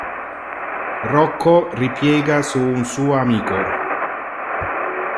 Rocco ripiega su un suo amico.